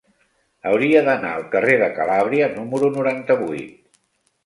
Hauria d'anar al carrer de Calàbria número noranta-vuit.